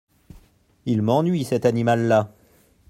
Il m’ennuie, cet animal-là !